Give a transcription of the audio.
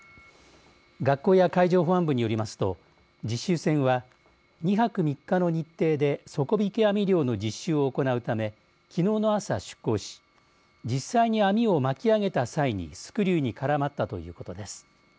学校や海上保安部によりますと実習船は２泊３日の日程で底引き網漁の実習を行うためきのうの朝、出航し実際に網を巻き上げた際にスクリューに絡まったということです。